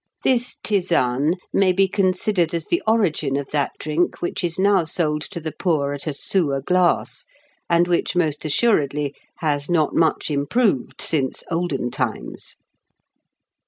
This tisane may be considered as the origin of that drink which is now sold to the poor at a sous a glass, and which most assuredly has not much improved since olden times.